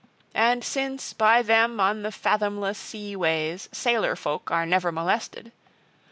And since, by them on the fathomless sea ways sailor folk are never molested.